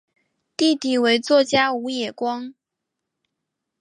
弟弟为作家武野光。